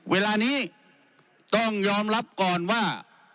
เวลานี้ต้องยอมรับก่อนว่า